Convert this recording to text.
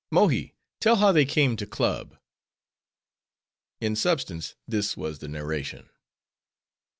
Mohi, tell how they came to club." In substance, this was the narration.